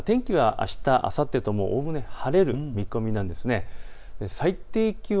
天気はあした、あさってともおおむね晴れる見込みです。